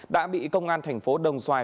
đã bị công an thành phố đồng xoài